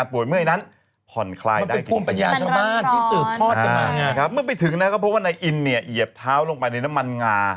ดูเลขสิอีบ้า